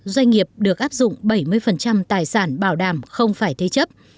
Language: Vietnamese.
doanh nghiệp được áp dụng bảy mươi tài sản bảo đảm không phải thế chấp